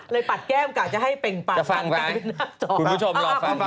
เลยปัดแก้มกลับจะให้เป็นปัดผ่านกลับไปหน้าจอดกันจะฟังไหม